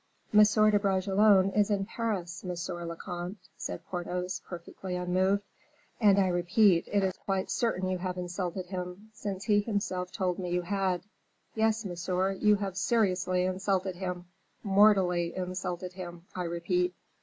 "M. de Bragelonne is in Paris, monsieur le comte," said Porthos, perfectly unmoved; "and I repeat, it is quite certain you have insulted him, since he himself told me you had. Yes, monsieur, you have seriously insulted him, mortally insulted him, I repeat."